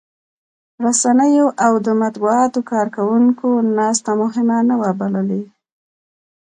رسنيو او د مطبوعاتو کارکوونکو ناسته مهمه نه وه بللې.